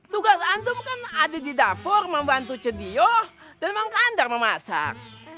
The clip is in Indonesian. tugas antum kan ada di dapur membantu cediyo dan memkandar memasak